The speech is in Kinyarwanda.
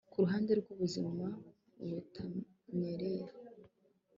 Kuruhande rwubuzima butanyerera